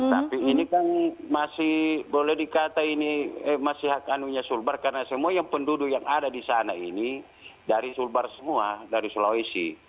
tapi ini kan masih boleh dikata ini masih hak anunya sulbar karena semua yang penduduk yang ada di sana ini dari sulbar semua dari sulawesi